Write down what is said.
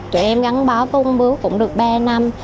chúng em gắn bó vung bước cũng được ba năm